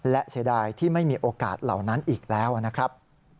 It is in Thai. และเสียดายที่ไม่มีโอกาสเหล่านั้นอีกแล้วนะครับ